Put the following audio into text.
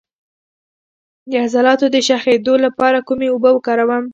د عضلاتو د شخیدو لپاره کومې اوبه وکاروم؟